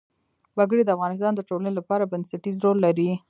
وګړي د افغانستان د ټولنې لپاره بنسټيز رول لري.